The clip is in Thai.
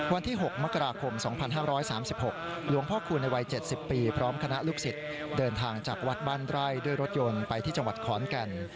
วันที่๖มกราคม๒๕๓๖หลวงพ่อคูณในวัย๗๐ปีพร้อมคณะลูกศิษย์เดินทางจากวัดบ้านไร่ด้วยรถยนต์ไปที่จังหวัดขอนแก่น